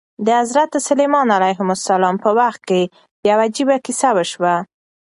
د حضرت سلیمان علیه السلام په وخت کې یوه عجیبه کیسه وشوه.